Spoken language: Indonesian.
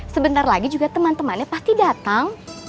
sebentar lagi juga teman temannya pasti datang